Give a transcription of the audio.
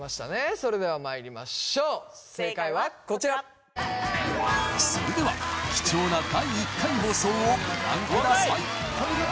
それではまいりましょう正解はこちら正解はこちらそれでは貴重な第１回放送をご覧ください